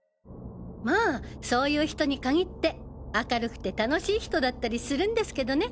まあそういう人に限って明るくて楽しい人だったりするんですけどね！